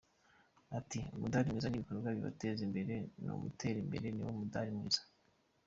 Ati“Umudali mwiza ni ibikorwa bibateza imbere, nimutera imbere niwo mudali mwiza.